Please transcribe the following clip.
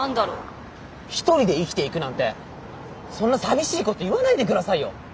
一人で生きていくなんてそんな寂しいこと言わないで下さいよ！